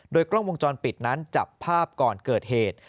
กล้องวงจรปิดนั้นจับภาพก่อนเกิดเหตุ